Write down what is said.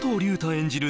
演じる